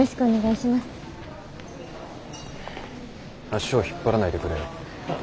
足を引っ張らないでくれよ。